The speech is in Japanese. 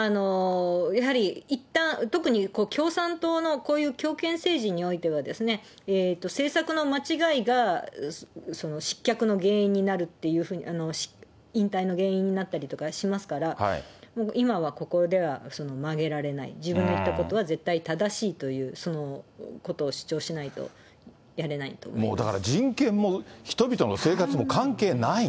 やはりいったん、特に共産党のこういう強権政治においては、政策の間違いが失脚の原因になるっていうふうに、引退の原因になったりとかしますから、今はここでは曲げられない、自分の言ったことは絶対正しいということを主張しないとやれないもう、だから人権も人々の生活も関係ない。